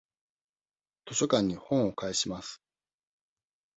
図書館に本を返します。